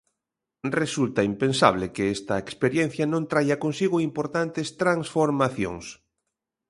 Resulta impensable que esta experiencia non traia consigo importantes transformacións.